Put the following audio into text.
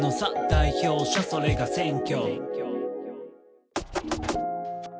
代表者それが選挙」